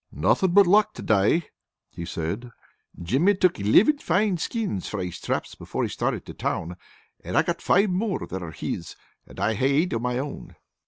"Nothing but luck to day," he said. "Jimmy took elivin fine skins frae his traps before he started to town, and I got five more that are his, and I hae eight o' my own."